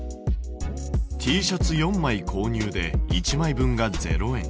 Ｔシャツ４枚購入で１枚分が０円。